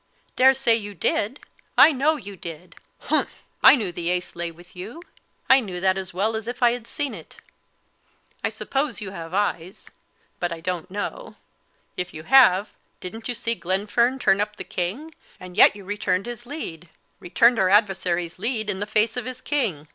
"Daresay you did! I know you did humph! I knew the ace lay with you; I knew that as well as if I had seen it. I suppose you have eyes but I don't know; if you have, didn't you see Glenfern turn up the king, and yet you returned his lead returned our adversary's lead in the face of his king.